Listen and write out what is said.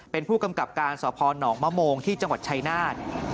เป็นผู้กำกับการสพนมะโมงที่จังหวัดชายนาฏ